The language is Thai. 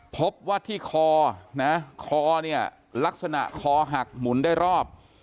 พบว่าที่คอนะคอเนี่ยลักษณะคอหักหมุนได้รอบ